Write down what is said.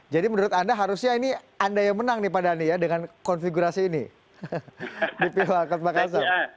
jadi menurut anda harusnya ini anda yang menang nih pak adani ya dengan konfigurasi ini di pilwal kot makassar